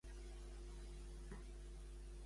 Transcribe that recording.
Què sol·licitaran els advocats, però?